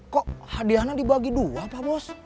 kok hadiahnya dibagi dua pak bos